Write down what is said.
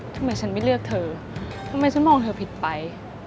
ทำไมฉันไม่เลือกเธอทำไมฉันมองเธอผิดไป